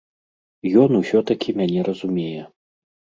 Ён усё-такі мяне разумее.